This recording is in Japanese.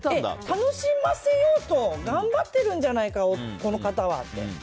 楽しませようと頑張ってるじゃないかこの方はって。